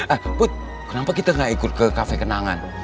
ah put kenapa kita gak ikut ke kafe kenangan